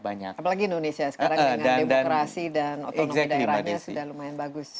apalagi indonesia sekarang dengan demokrasi dan otonomi daerahnya sudah lumayan bagus